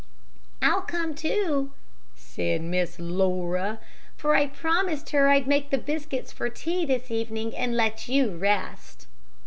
"I'll come, too," said Miss Laura, "for I promised her I'd make the biscuits for tea this evening and let you rest."